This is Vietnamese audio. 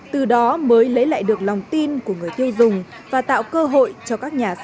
từ đó mới lấy lại được lòng tin của người tiêu dùng và tạo cơ hội cho các nông nghiệp việt nam